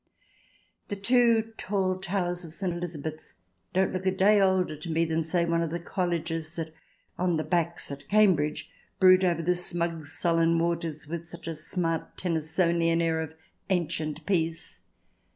Those two tall towers of St. Elizabeth's don't look a day older to me than, say, one of the colleges that, on the " Backs " at Cambridge, brood over the smug, sullen waters with such a smart Tennysonian air of "ancient peace."